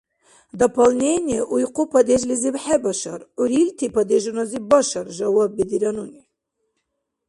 — Дополнение уйхъу падежлизиб хӀебашар, гӀурилти падежуназиб башар, — жаваб бедира нуни.